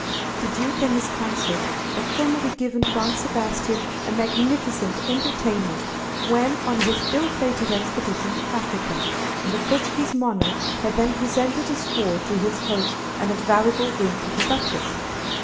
The Duke and his consort had formerly given Don Sebastian a magnificent entertainment when on his ill fated expedition to Africa, and the Portuguese monarch had then presented a sword to his host and a valuable ring to the Duchess.